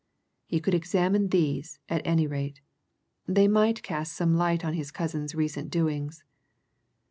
He could examine these, at any rate they might cast some light on his cousin's recent doings.